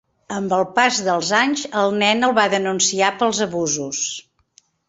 Amb el pas dels anys, el nen el va denunciar pels abusos.